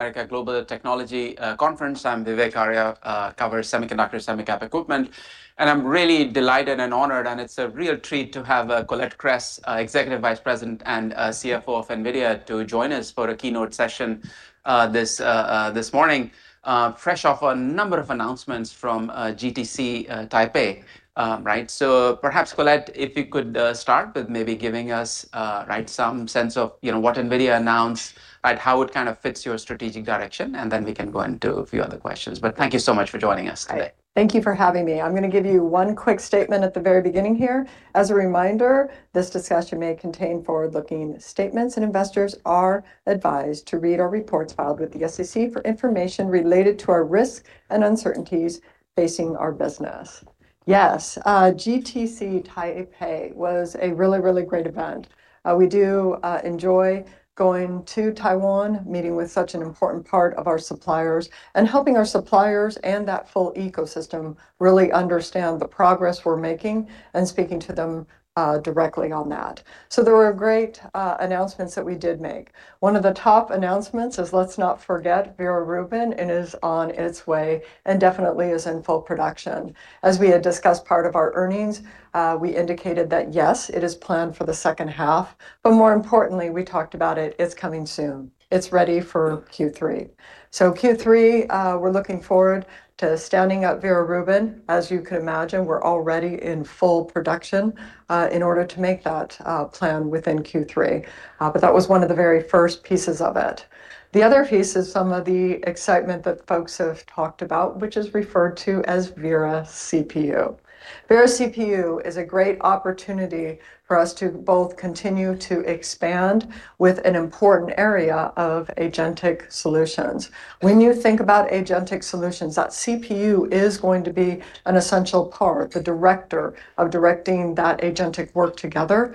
Like a global technology conference. I'm Vivek Arya, cover semiconductor, semi-cap equipment, and I'm really delighted and honored, and it's a real treat to have Colette Kress, Executive Vice President and CFO of NVIDIA, to join us for a keynote session this morning, fresh off a number of announcements from GTC Taipei. Perhaps, Colette, if you could start with maybe giving us some sense of what NVIDIA announced, how it fits your strategic direction, and then we can go into a few other questions. Thank you so much for joining us today. Thank you for having me. I'm going to give you one quick statement at the very beginning here. As a reminder, this discussion may contain forward-looking statements, and investors are advised to read our reports filed with the SEC for information related to our risks and uncertainties facing our business. GTC Taipei was a really great event. We do enjoy going to Taiwan, meeting with such an important part of our suppliers, and helping our suppliers and that full ecosystem really understand the progress we're making and speaking to them directly on that. There were great announcements that we did make. One of the top announcements is, let's not forget, Vera Rubin is on its way and definitely is in full production. As we had discussed, part of our earnings, we indicated that, yes, it is planned for the second half. More importantly, we talked about it's coming soon. It's ready for Q3. Q3, we're looking forward to standing up Vera Rubin. As you can imagine, we're already in full production in order to make that plan within Q3. That was one of the very first pieces of it. The other piece is some of the excitement that folks have talked about, which is referred to as Vera CPU. Vera CPU is a great opportunity for us to both continue to expand with an important area of agentic solutions. When you think about agentic solutions, that CPU is going to be an essential part, the director of directing that agentic work together.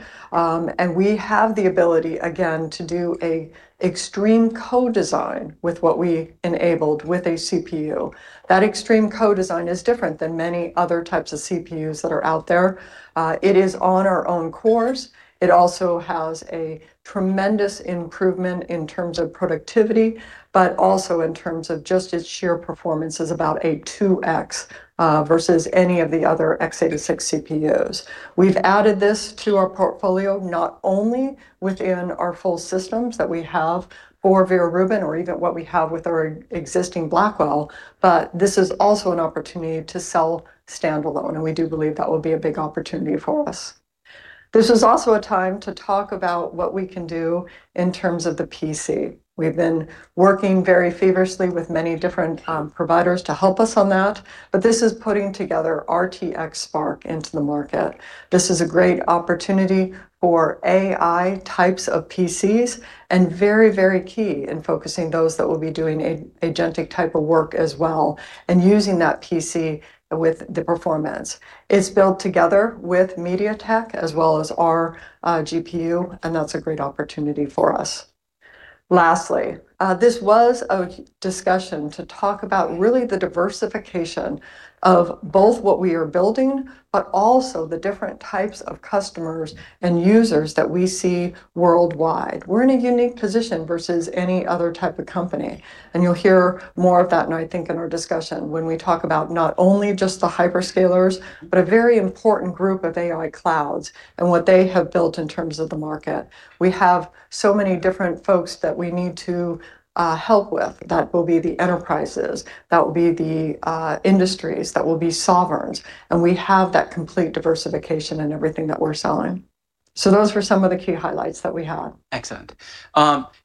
We have the ability, again, to do a extreme co-design with what we enabled with a CPU. That extreme co-design is different than many other types of CPUs that are out there. It is on our own cores. It also has a tremendous improvement in terms of productivity, but also in terms of just its sheer performance is about a 2x versus any of the other X86 CPUs. We've added this to our portfolio, not only within our full systems that we have for Vera Rubin or even what we have with our existing Blackwell, but this is also an opportunity to sell standalone, and we do believe that will be a big opportunity for us. This is also a time to talk about what we can do in terms of the PC. We've been working very feverishly with many different providers to help us on that, but this is putting together RTX Spark into the market. This is a great opportunity for AI types of PCs and very, very key in focusing those that will be doing agentic type of work as well and using that PC with the performance. It's built together with MediaTek as well as our GPU, and that's a great opportunity for us. Lastly, this was a discussion to talk about really the diversification of both what we are building, but also the different types of customers and users that we see worldwide. We're in a unique position versus any other type of company, and you'll hear more of that, I think, in our discussion when we talk about not only just the hyperscalers, but a very important group of AI clouds and what they have built in terms of the market. We have so many different folks that we need to help with. That will be the enterprises. That will be the industries. That will be sovereigns. We have that complete diversification in everything that we're selling. Those were some of the key highlights that we had. Excellent.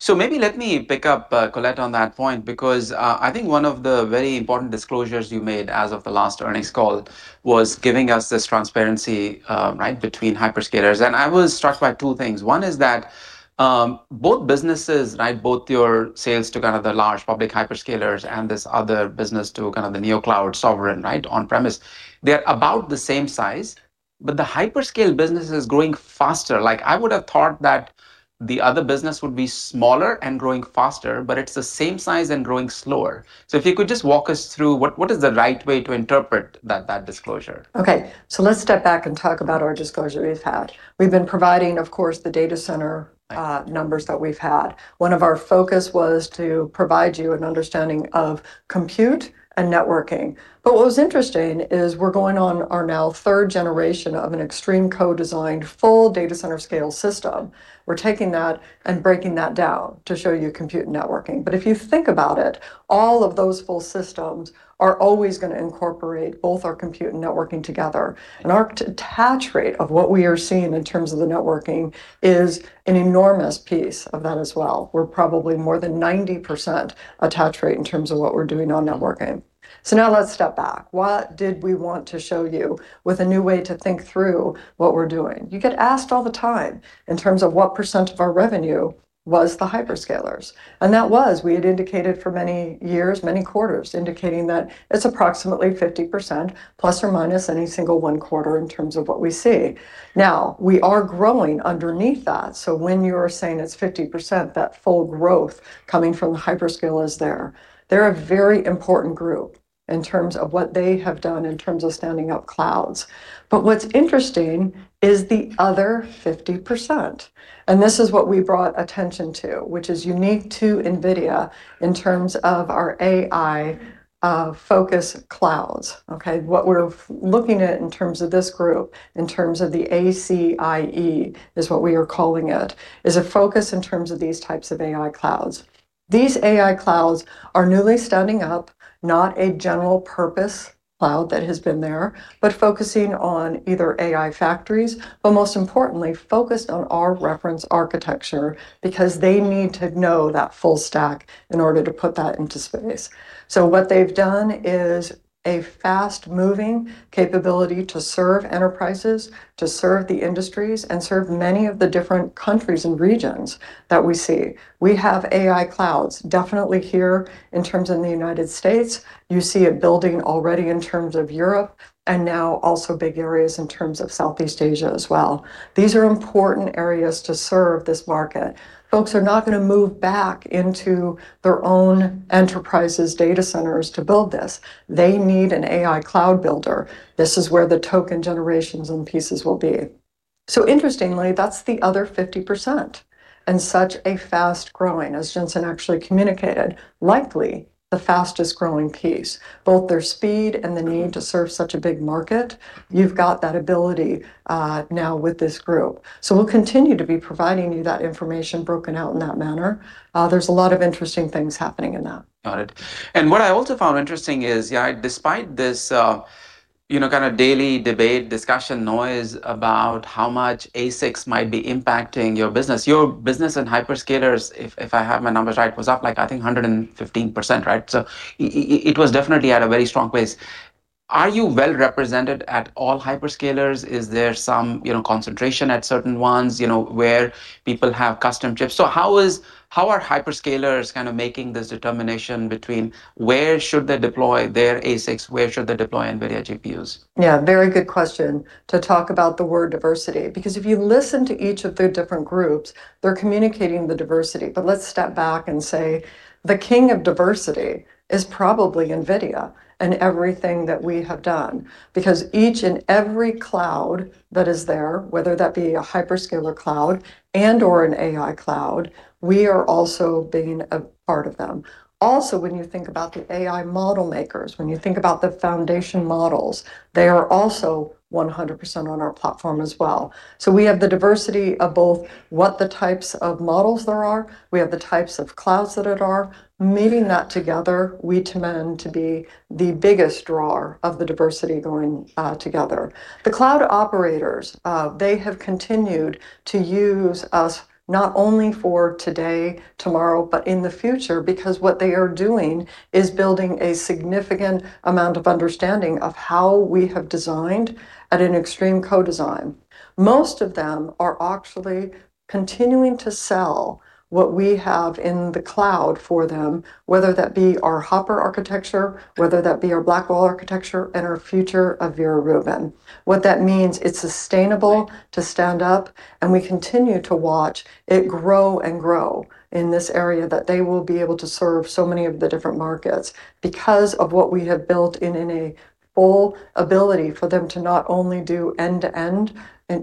Maybe let me pick up Colette on that point, because I think one of the very important disclosures you made as of the last earnings call was giving us this transparency between hyperscalers. I was struck by two things. One is that both businesses, both your sales to the large public hyperscalers and this other business to the neo cloud sovereign on premise, they're about the same size, but the hyperscale business is growing faster. I would have thought that the other business would be smaller and growing faster, but it's the same size and growing slower. If you could just walk us through what is the right way to interpret that disclosure? Let's step back and talk about our disclosure we've had. We've been providing, of course, the data center numbers that we've had. One of our focus was to provide you an understanding of compute and networking. What was interesting is we're going on our now third generation of an extreme co-designed full data center scale system. We're taking that and breaking that down to show you compute networking. If you think about it, all of those full systems are always going to incorporate both our compute and networking together. Our attach rate of what we are seeing in terms of the networking is an enormous piece of that as well. We're probably more than 90% attach rate in terms of what we're doing on networking. Now let's step back. What did we want to show you with a new way to think through what we're doing? You get asked all the time in terms of what percent of our revenue was the hyperscalers. That was, we had indicated for many years, many quarters, indicating that it's approximately 50%, plus or minus any single one quarter in terms of what we see. We are growing underneath that. When you're saying it's 50%, that full growth coming from the hyperscale is there. They're a very important group in terms of what they have done in terms of standing up clouds. What's interesting is the other 50%. And this is what we brought attention to, which is unique to NVIDIA in terms of our AI focus clouds. Okay? What we're looking at in terms of this group, in terms of the ACIE, is what we are calling it, is a focus in terms of these types of AI clouds. These AI clouds are newly standing up, not a general-purpose cloud that has been there, but focusing on either AI factories, but most importantly, focused on our reference architecture because they need to know that full stack in order to put that into space. What they've done is a fast-moving capability to serve enterprises, to serve the industries, and serve many of the different countries and regions that we see. We have AI clouds definitely here in terms of the U.S. You see it building already in terms of Europe, and now also big areas in terms of Southeast Asia as well. These are important areas to serve this market. Folks are not going to move back into their own enterprise's data centers to build this. They need an AI cloud builder. This is where the token generations and pieces will be. Interestingly, that's the other 50% and such a fast-growing, as Jensen actually communicated, likely the fastest growing piece. Both their speed and the need to serve such a big market, you've got that ability now with this group. We'll continue to be providing you that information broken out in that manner. There's a lot of interesting things happening in that. Got it. What I also found interesting is, yeah, despite this daily debate, discussion, noise about how much ASICs might be impacting your business, your business and hyperscalers, if I have my numbers right, was up I think 115%, right? It was definitely at a very strong place. Are you well represented at all hyperscalers? Is there some concentration at certain ones, where people have custom chips? How are hyperscalers making this determination between where should they deploy their ASICs, where should they deploy NVIDIA GPUs? Yeah, very good question to talk about the word diversity because if you listen to each of the different groups, they're communicating the diversity. Let's step back and say the king of diversity is probably NVIDIA and everything that we have done because each and every cloud that is there, whether that be a hyperscaler cloud and/or an AI cloud, we are also being a part of them. When you think about the AI model makers, when you think about the foundation models, they are also 100% on our platform as well. We have the diversity of both what the types of models there are, we have the types of clouds that there are. Meeting that together, we tend to be the biggest drawer of the diversity going together. The cloud operators, they have continued to use us not only for today, tomorrow, but in the future because what they are doing is building a significant amount of understanding of how we have designed at an extreme co-design. Most of them are actually continuing to sell what we have in the cloud for them, whether that be our Hopper architecture, whether that be our Blackwell architecture and our future of Vera Rubin. What that means, it's sustainable to stand up and we continue to watch it grow and grow in this area that they will be able to serve so many of the different markets because of what we have built in a full ability for them to not only do end-to-end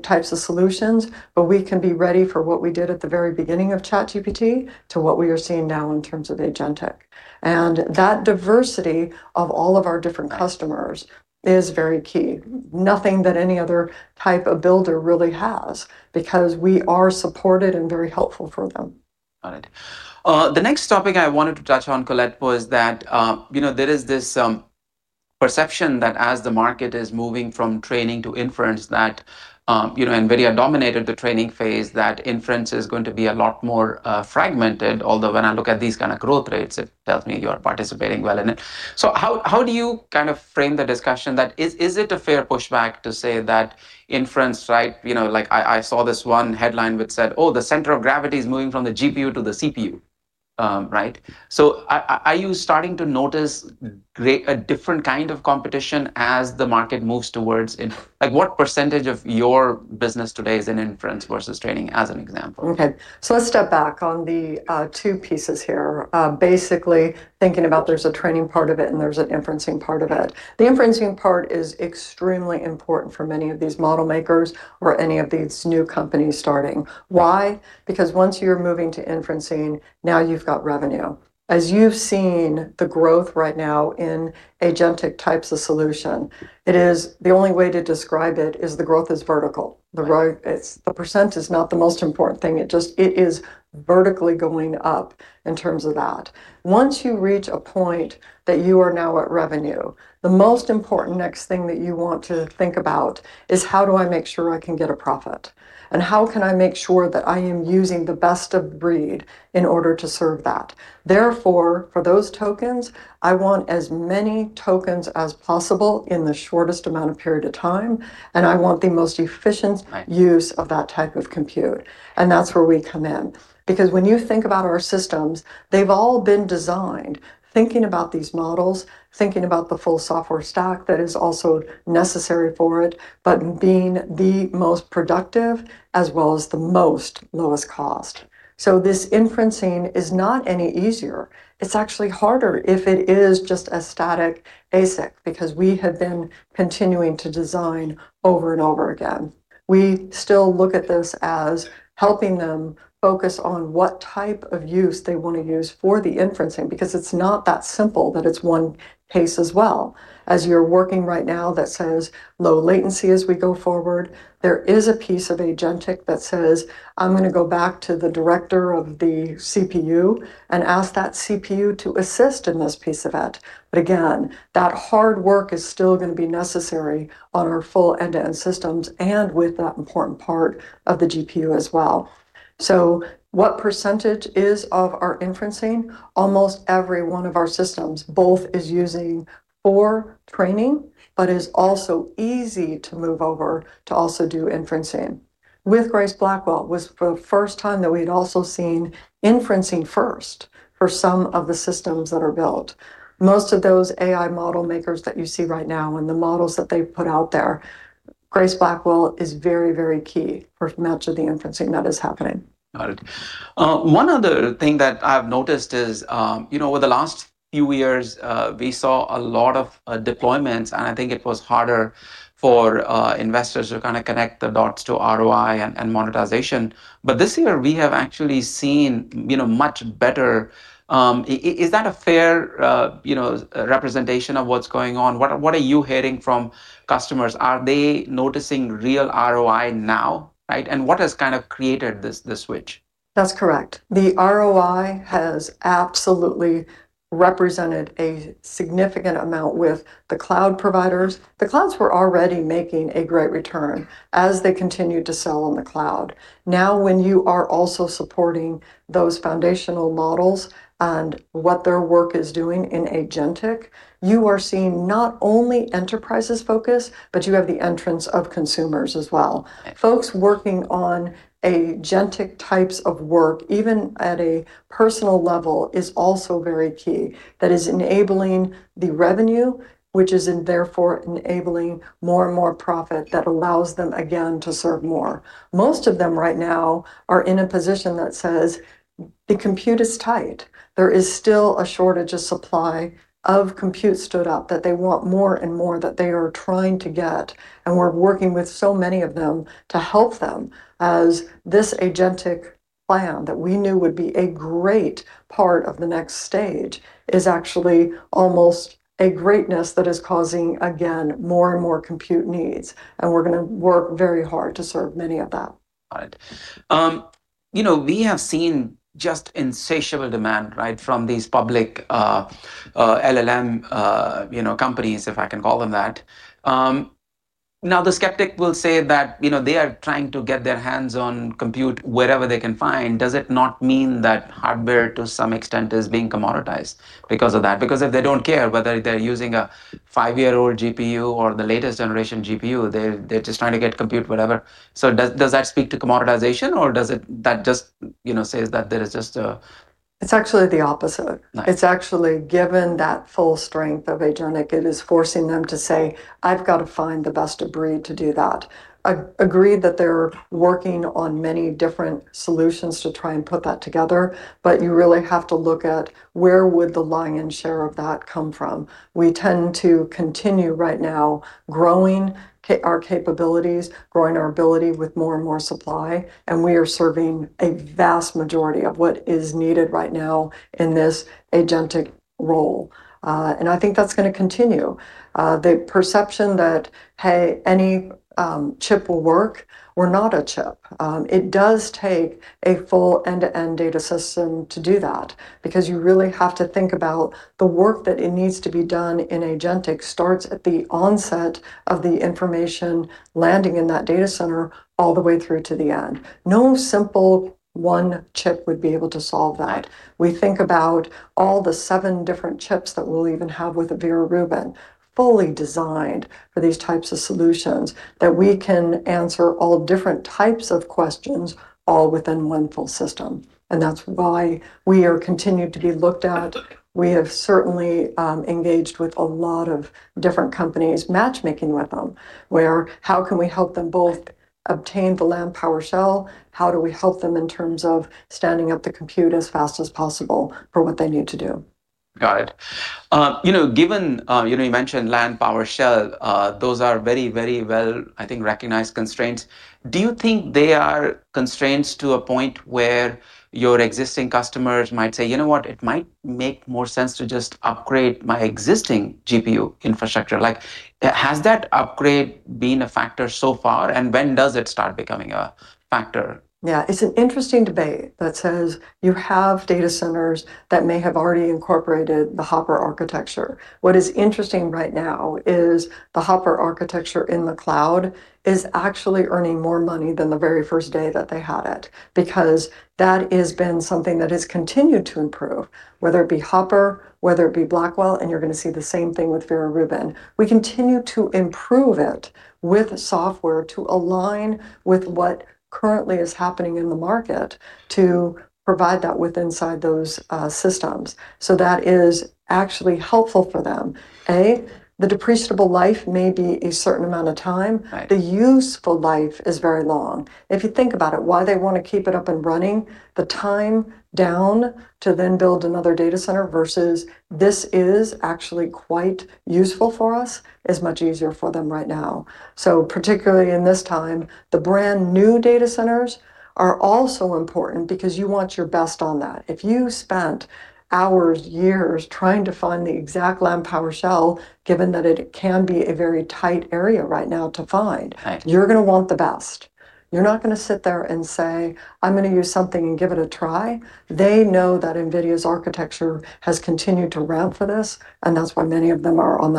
types of solutions, but we can be ready for what we did at the very beginning of ChatGPT to what we are seeing now in terms of agentic. That diversity of all of our different customers is very key. Nothing that any other type of builder really has because we are supported and very helpful for them. Got it. The next topic I wanted to touch on, Colette, was that there is this perception that as the market is moving from training to inference, that NVIDIA dominated the training phase, that inference is going to be a lot more fragmented. When I look at these kind of growth rates, it tells me you are participating well in it. How do you frame the discussion that is it a fair pushback to say that inference, like I saw this one headline which said, "Oh, the center of gravity is moving from the GPU to the CPU." Right? Are you starting to notice a different kind of competition as the market moves towards like what percentage of your business today is in inference versus training, as an example? Okay. Let's step back on the two pieces here. Basically thinking about there's a training part of it and there's an inferencing part of it. The inferencing part is extremely important for many of these model makers or any of these new companies starting. Why? Because once you're moving to inferencing, now you've got revenue. As you've seen the growth right now in agentic types of solution, the only way to describe it is the growth is vertical. The percent is not the most important thing. It is vertically going up in terms of that. Once you reach a point that you are now at revenue, the most important next thing that you want to think about is how do I make sure I can get a profit? How can I make sure that I am using the best of breed in order to serve that? For those tokens, I want as many tokens as possible in the shortest amount of period of time, and I want the most efficient. Right. Use of that type of compute. That's where we come in. When you think about our systems, they've all been designed thinking about these models, thinking about the full software stack that is also necessary for it, but being the most productive as well as the most lowest cost. This inferencing is not any easier. It's actually harder if it is just a static ASIC because we have been continuing to design over and over again. We still look at this as helping them focus on what type of use they want to use for the inferencing, because it's not that simple that it's one case as well. As you're working right now that says low latency as we go forward, there is a piece of agentic that says, "I'm going to go back to the director of the CPU and ask that CPU to assist in this piece of it." Again, that hard work is still going to be necessary on our full end-to-end systems and with that important part of the GPU as well. What percentage is of our inferencing? Almost every one of our systems, both is using for training, but is also easy to move over to also do inferencing. With Grace Blackwell was the first time that we'd also seen inferencing first for some of the systems that are built. Most of those AI model makers that you see right now and the models that they've put out there, Grace Blackwell is very key for much of the inferencing that is happening. Got it. One other thing that I've noticed is, over the last few years, we saw a lot of deployments, and I think it was harder for investors to connect the dots to ROI and monetization. This year, we have actually seen much better. Is that a fair representation of what's going on? What are you hearing from customers? Are they noticing real ROI now? What has created this switch? That's correct. The ROI has absolutely represented a significant amount with the cloud providers. The clouds were already making a great return as they continued to sell on the cloud. Now, when you are also supporting those foundational models and what their work is doing in agentic, you are seeing not only enterprises focus, but you have the entrance of consumers as well. Right. Folks working on agentic types of work, even at a personal level, is also very key. That is enabling the revenue, which is therefore enabling more and more profit that allows them, again, to serve more. Most of them right now are in a position that says the compute is tight. There is still a shortage of supply of compute stood up that they want more and more that they are trying to get, we're working with so many of them to help them as this agentic plan that we knew would be a great part of the next stage is actually almost a greatness that is causing, again, more and more compute needs. We're going to work very hard to serve many of that. Got it. We have seen just insatiable demand from these public LLM companies, if I can call them that. The skeptic will say that they are trying to get their hands on compute wherever they can find. Does it not mean that hardware, to some extent, is being commoditized because of that? If they don't care whether they're using a five-year-old GPU or the latest generation GPU, they're just trying to get compute, whatever. Does that speak to commoditization, or does that just say that there is just a-? It's actually the opposite. Nice. It's actually given that full strength of agentic, it is forcing them to say, "I've got to find the best of breed to do that." I agree that they're working on many different solutions to try and put that together, but you really have to look at where would the lion's share of that come from. We tend to continue right now growing our capabilities, growing our ability with more and more supply, and we are serving a vast majority of what is needed right now in this agentic role. I think that's going to continue. The perception that, hey, any chip will work, we're not a chip. It does take a full end-to-end data system to do that, because you really have to think about the work that it needs to be done in agentic starts at the onset of the information landing in that data center all the way through to the end. No simple one chip would be able to solve that. We think about all the seven different chips that we'll even have with a Vera Rubin, fully designed for these types of solutions, that we can answer all different types of questions all within one full system. That's why we are continued to be looked at. We have certainly engaged with a lot of different companies, matchmaking with them, where how can we help them both obtain the land, power, and shell? How do we help them in terms of standing up the compute as fast as possible for what they need to do? Got it. You mentioned land power shell. Those are very well, I think, recognized constraints. Do you think they are constraints to a point where your existing customers might say, "You know what? It might make more sense to just upgrade my existing GPU infrastructure." Has that upgrade been a factor so far? When does it start becoming a factor? It's an interesting debate that says you have data centers that may have already incorporated the Hopper architecture. What is interesting right now is the Hopper architecture in the cloud is actually earning more money than the very first day that they had it, because that has been something that has continued to improve, whether it be Hopper, whether it be Blackwell, and you're going to see the same thing with Vera Rubin. We continue to improve it with software to align with what currently is happening in the market to provide that with inside those systems. That is actually helpful for them. The depreciable life may be a certain amount of time. Right. The useful life is very long. If you think about it, why they want to keep it up and running, the time down to then build another data center versus this is actually quite useful for us is much easier for them right now. Particularly in this time, the brand-new data centers are also important because you want your best on that. If you spent hours, years trying to find the exact land, power, and shell, given that it can be a very tight area right now to find. Right. You're going to want the best. You're not going to sit there and say, "I'm going to use something and give it a try." They know that NVIDIA's architecture has continued to ramp for this, and that's why many of them are on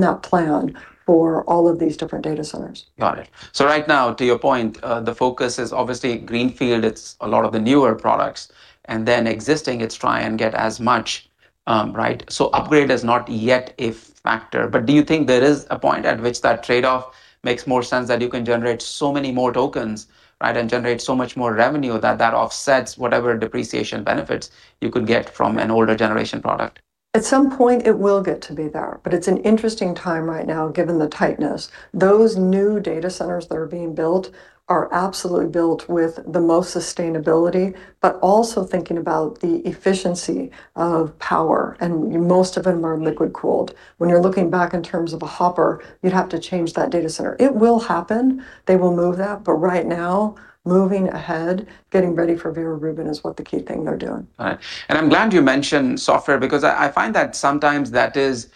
that plan for all of these different data centers. Got it. Right now, to your point, the focus is obviously greenfield. It's a lot of the newer products, and then existing, it's try and get as much. Right? Upgrade is not yet a factor. Do you think there is a point at which that trade-off makes more sense, that you can generate so many more tokens, right, and generate so much more revenue that that offsets whatever depreciation benefits you could get from an older generation product? At some point it will get to be there, but it's an interesting time right now, given the tightness. Those new data centers that are being built are absolutely built with the most sustainability, but also thinking about the efficiency of power, and most of them are liquid-cooled. When you're looking back in terms of a Hopper, you'd have to change that data center. It will happen. They will move that, but right now, moving ahead, getting ready for Vera Rubin is what the key thing they're doing. Right. I'm glad you mentioned software because I find that sometimes that is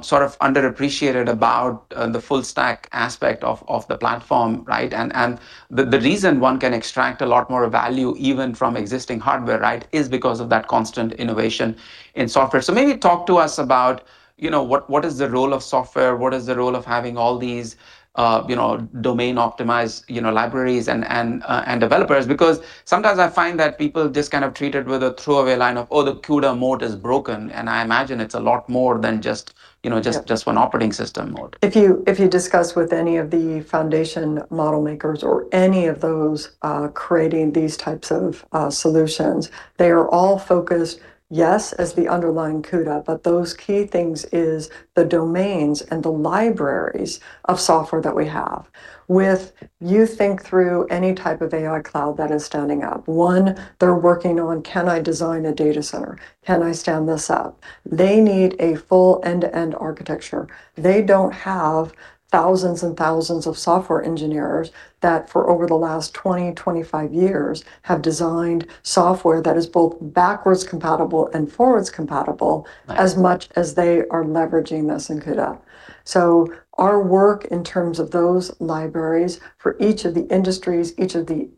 sort of underappreciated about the full stack aspect of the platform, right? The reason one can extract a lot more value, even from existing hardware, right, is because of that constant innovation in software. Maybe talk to us about what is the role of software? What is the role of having all these domain-optimized libraries and developers? Because sometimes I find that people just kind of treat it with a throwaway line of, "Oh, the CUDA moat is broken." I imagine it's a lot more than just one operating system mode. If you discuss with any of the foundation model makers or any of those creating these types of solutions, they are all focused, yes, as the underlying CUDA, but those key things is the domains and the libraries of software that we have. With you think through any type of AI cloud that is standing up. One they're working on, can I design a data center? Can I stand this up? They need a full end-to-end architecture. They don't have thousands and thousands of software engineers that for over the last 20, 25 years, have designed software that is both backwards compatible and forwards compatible. Right. As much as they are leveraging this in CUDA. Our work in terms of those libraries for each of the industries, each of the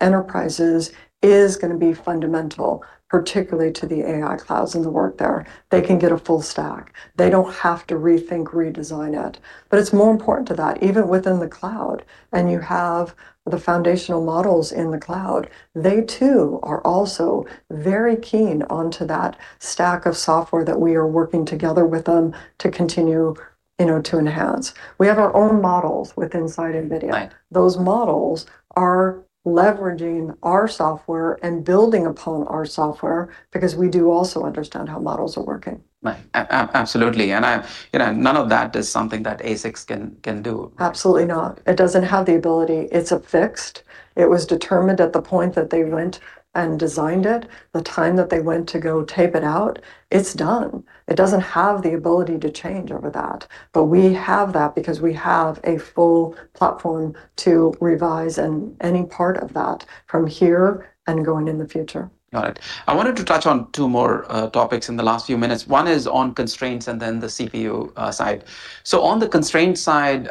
enterprises, is going to be fundamental, particularly to the AI Clouds and the work there. They can get a full stack. They don't have to rethink, redesign it. It's more important to that, even within the cloud, and you have the foundational models in the cloud. They, too, are also very keen onto that stack of software that we are working together with them to continue to enhance. We have our own models with inside NVIDIA. Right. Those models are leveraging our software and building upon our software because we do also understand how models are working. Right. Absolutely. None of that is something that ASICs can do. Absolutely not. It doesn't have the ability. It's affixed. It was determined at the point that they went and designed it, the time that they went to go tape it out, it's done. It doesn't have the ability to change over that. We have that because we have a full platform to revise any part of that from here and going in the future. Got it. I wanted to touch on two more topics in the last few minutes. One is on constraints and then the CPU side. On the constraint side,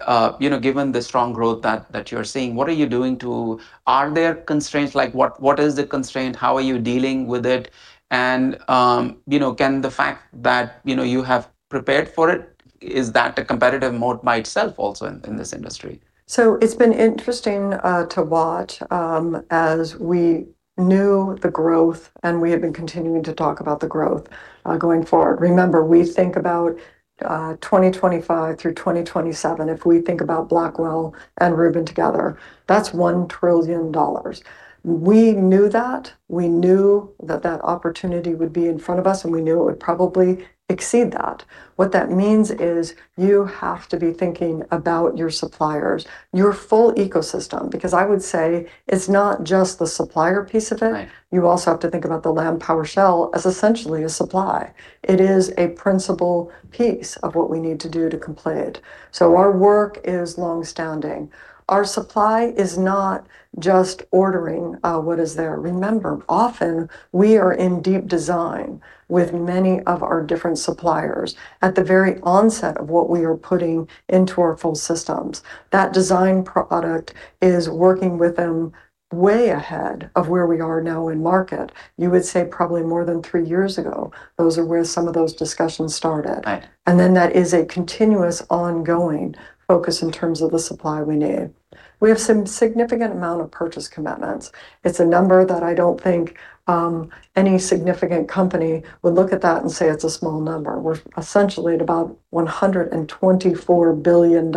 given the strong growth that you're seeing, what are you doing to. Are there constraints? Like what is the constraint? How are you dealing with it? And can the fact that you have prepared for it, is that a competitive moat by itself also in this industry? It's been interesting to watch as we knew the growth, and we have been continuing to talk about the growth going forward. Remember, we think about 2025 through 2027. If we think about Blackwell and Rubin together, that's $1 trillion. We knew that. We knew that that opportunity would be in front of us, and we knew it would probably exceed that. What that means is you have to be thinking about your suppliers, your full ecosystem, because I would say it's not just the supplier piece of it. Right. You also have to think about the land, power, and shell as essentially a supply. It is a principal piece of what we need to do to complete. Our work is longstanding. Our supply is not just ordering what is there. Remember, often we are in deep design with many of our different suppliers at the very onset of what we are putting into our full systems. That design product is working with them way ahead of where we are now in market. You would say probably more than three years ago, those are where some of those discussions started. Right. That is a continuous, ongoing focus in terms of the supply we need. We have some significant amount of purchase commitments. It's a number that I don't think any significant company would look at that and say it's a small number. We're essentially at about $124 billion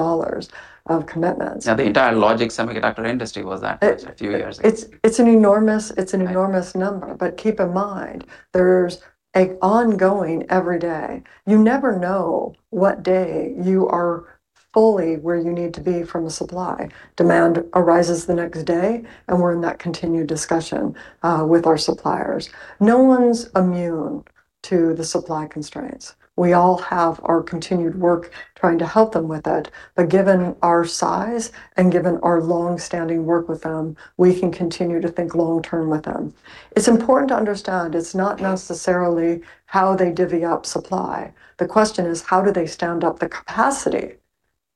of commitments. The entire logic semiconductor industry was that a few years ago. It's an enormous number. Keep in mind, there's an ongoing every day. You never know what day you are fully where you need to be from a supply. Demand arises the next day. We're in that continued discussion with our suppliers. No one's immune to the supply constraints. We all have our continued work trying to help them with it. Given our size and given our longstanding work with them, we can continue to think long term with them. It's important to understand, it's not necessarily how they divvy up supply. The question is, how do they stand up the capacity?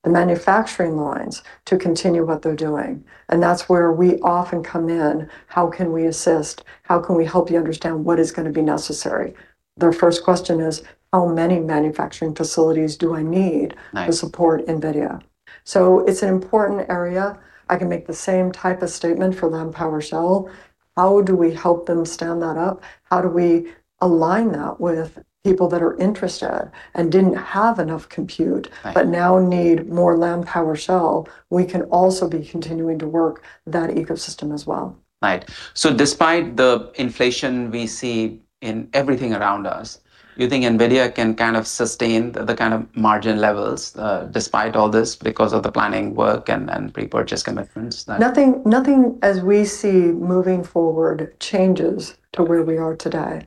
The manufacturing lines to continue what they're doing, and that's where we often come in. How can we assist? How can we help you understand what is going to be necessary? Their first question is, how many manufacturing facilities do I need? Right. To support NVIDIA? It's an important area. I can make the same type of statement for land, power, and shell. How do we help them stand that up? How do we align that with people that are interested and didn't have enough compute. Right. Now need more land, power, and shell. We can also be continuing to work that ecosystem as well. Right. Despite the inflation we see in everything around us, you think NVIDIA can sustain the kind of margin levels despite all this because of the planning work and pre-purchase commitments then? Nothing as we see moving forward changes to where we are today.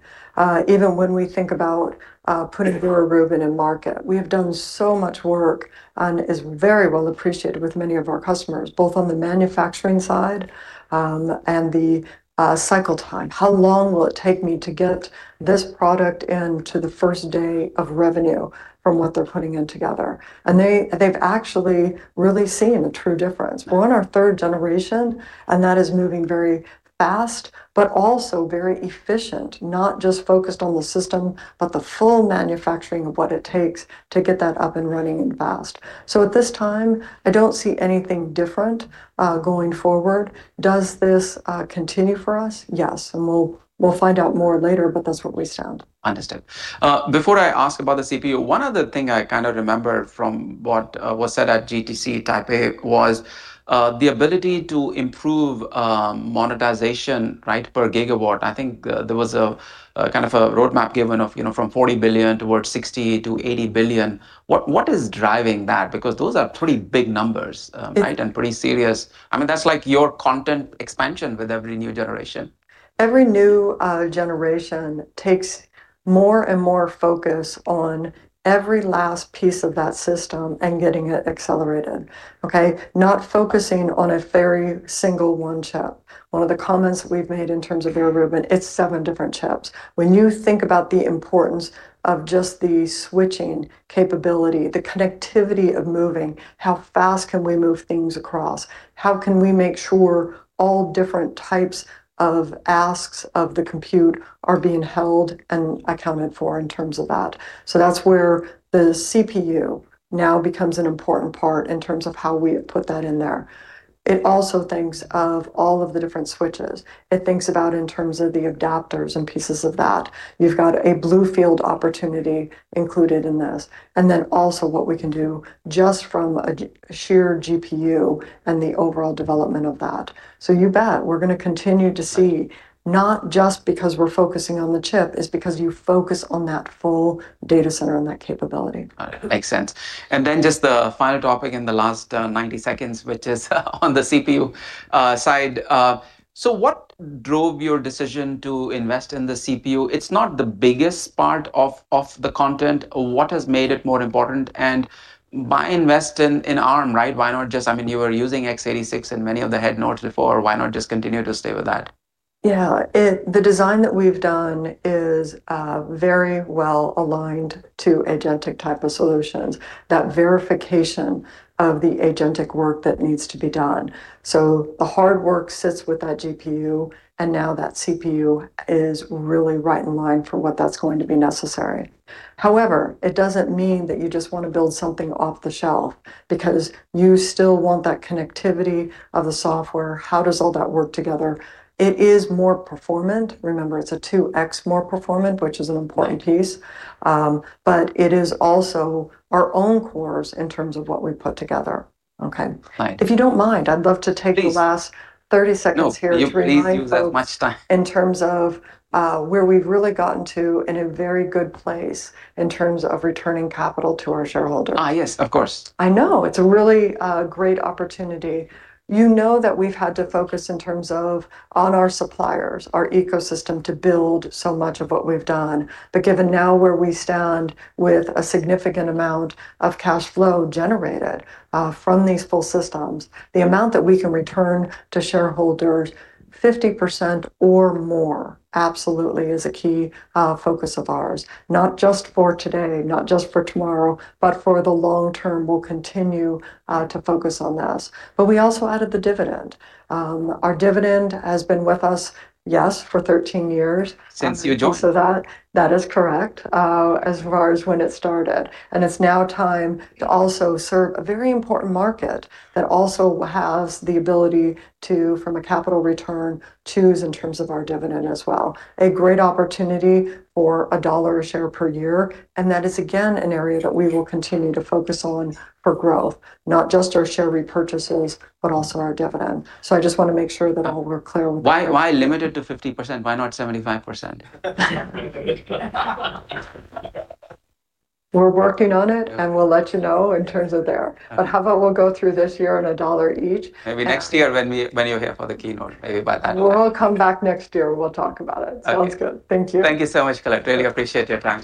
Even when we think about putting Vera Rubin in market. We have done so much work and is very well appreciated with many of our customers, both on the manufacturing side and the cycle time. How long will it take me to get this product into the first day of revenue from what they're putting in together? They've actually really seen a true difference. We're on our third generation, and that is moving very fast, but also very efficient, not just focused on the system, but the full manufacturing of what it takes to get that up and running and fast. At this time, I don't see anything different going forward. Does this continue for us? Yes, we'll find out more later, but that's where we stand. Understood. Before I ask about the CPU, one other thing I remember from what was said at GTC Taipei was the ability to improve monetization per gigawatt. I think there was a roadmap given from $40 billion towards $60 billion-$80 billion. What is driving that? Those are pretty big numbers, right? Pretty serious. That's like your content expansion with every new generation. Every new generation takes more and more focus on every last piece of that system and getting it accelerated. Okay? Not focusing on a very single one chip. One of the comments we've made in terms of Vera Rubin, it's seven different chips. When you think about the importance of just the switching capability, the connectivity of moving, how fast can we move things across? How can we make sure all different types of asks of the compute are being held and accounted for in terms of that? That's where the CPU now becomes an important part in terms of how we put that in there. It also thinks of all of the different switches. It thinks about in terms of the adapters and pieces of that. You've got a BlueField opportunity included in this. Then also what we can do just from a sheer GPU and the overall development of that. You bet, we're going to continue to see, not just because we're focusing on the chip, is because you focus on that full data center and that capability. Makes sense. Just the final topic in the last 90 seconds, which is on the CPU side. What drove your decision to invest in the CPU? It's not the biggest part of the content. What has made it more important? By investing in Arm, you were using X86 in many of the head nodes before. Why not just continue to stay with that? Yeah. The design that we've done is very well aligned to agentic type of solutions, that verification of the agentic work that needs to be done. The hard work sits with that GPU, and now that CPU is really right in line for what that's going to be necessary. However, it doesn't mean that you just want to build something off the shelf, because you still want that connectivity of the software. How does all that work together? It is more performant. Remember, it's a 2x more performant, which is an important piece. Right. It is also our own cores in terms of what we put together. Okay? Right. If you don't mind, I'd love to take the last. Please. 30 seconds here. No, please use as much time. To remind folks in terms of where we've really gotten to in a very good place in terms of returning capital to our shareholders. Yes, of course. I know. It's a really great opportunity. You know that we've had to focus in terms of on our suppliers, our ecosystem, to build so much of what we've done. Given now where we stand with a significant amount of cash flow generated from these full systems, the amount that we can return to shareholders, 50% or more, absolutely is a key focus of ours. Not just for today, not just for tomorrow, but for the long term, we'll continue to focus on this. We also added the dividend. Our dividend has been with us, yes, for 13 years. Since you joined. I think so that is correct, as far as when it started. It's now time to also serve a very important market that also has the ability to, from a capital return, choose in terms of our dividend as well. A great opportunity for $1 a share per year, and that is, again, an area that we will continue to focus on for growth, not just our share repurchases, but also our dividend. I just want to make sure that we're clear with that. Why limit it to 50%? Why not 75%? We're working on it, and we'll let you know in terms of there. How about we'll go through this year on $1 each? Maybe next year when you're here for the keynote, maybe by that point. We'll come back next year. We'll talk about it. Okay. Sounds good. Thank you. Thank you so much, Colette. Really appreciate your time.